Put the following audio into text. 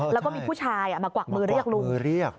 แล้วก็มีผู้ชายมากวักมือเรียกลุง